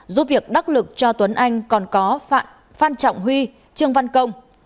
dù việc đắc lực cho tuấn anh còn có phan trọng huy trường văn công